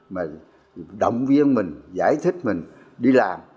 mà động viên mình giải thích mình đi làm